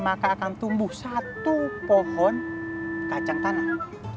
maka akan tumbuh satu pohon kacang tanah